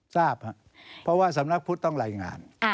ทราบฮะเพราะว่าสำนักพุทธต้องไหลงาน